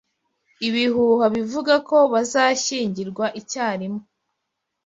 Ibihuha bivuga ko bazashyingirwa icyarimwe